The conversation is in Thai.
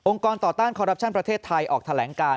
กรต่อต้านคอรัปชั่นประเทศไทยออกแถลงการ